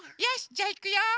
じゃあいくよ。